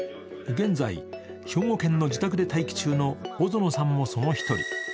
現在、兵庫県の自宅で待機中の尾園さんもその１人。